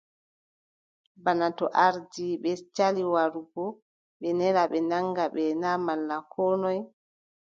Bana to ardiiɓe cali warugo, ɓe nela ɓe naŋga ɓe na malla koo noy ?